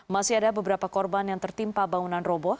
masih ada beberapa korban yang tertimpa bangunan roboh